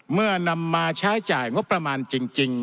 เมื่อนำมาใช้จ่ายงบประมาณจริง